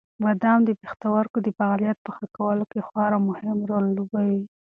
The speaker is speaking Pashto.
بادام د پښتورګو د فعالیت په ښه کولو کې خورا مهم رول لوبوي.